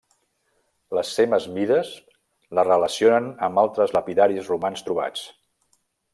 Les seves mides la relacionen amb altres lapidaris romans trobats.